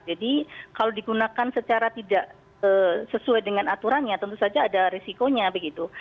jadi kalau digunakan secara tidak sesuai dengan aturannya tentu saja ada risikonya begitu